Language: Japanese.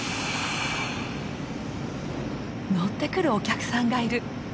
乗ってくるお客さんがいる。